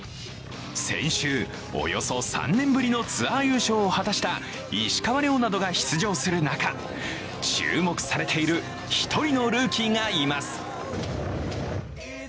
先週、およそ３年ぶりのツアー優勝を果たした石川遼などが出場する中注目されている一人のルーキーがいます。